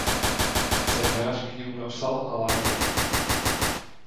Scénář k němu napsal Alan Bennett.